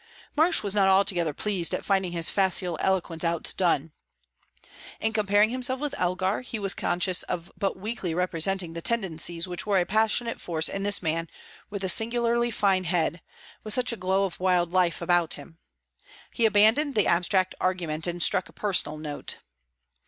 Marsh was not altogether pleased at finding his facile eloquence outdone. In comparing himself with Elgar, he was conscious of but weakly representing the tendencies which were a passionate force in this man with the singularly fine head, with such a glow of wild life about him. He abandoned the abstract argument, and struck a personal note.